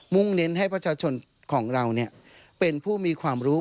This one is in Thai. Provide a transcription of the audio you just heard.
่งเน้นให้ประชาชนของเราเป็นผู้มีความรู้